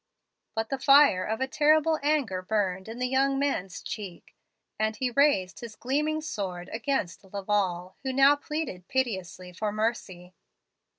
"But the fire of a terrible anger burned in the young man's cheek, and he raised his gleaming sword against Laval, who now pleaded piteously for mercy.